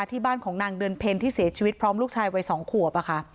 ที่บ้านของนางเดือนเพ็ญที่เสียชีวิตพร้อมลูกชายวัย๒ขวบ